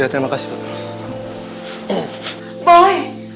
ya terima kasih boy